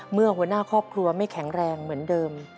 หัวหน้าครอบครัวไม่แข็งแรงเหมือนเดิม